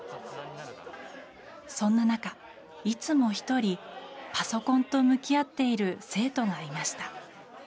そんな中、いつも１人パソコンと向き合っている生徒がいました。